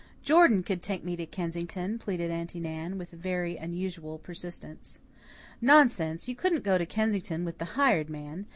"Jordan could take me to Kensington," pleaded Aunty Nan, with very unusual persistence. "Nonsense! You couldn't go to Kensington with the hired man.